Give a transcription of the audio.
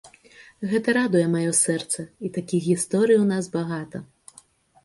Гэта радуе маё сэрца, і такіх гісторый у нас багата.